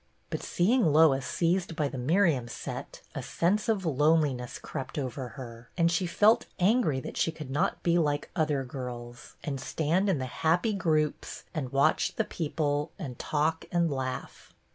But see ing Lois seized by the Miriam set, a sense of loneliness crept over her, and she felt angry that she could not be like other girls, and stand in the happy groups, and watch the people, and talk and laugh.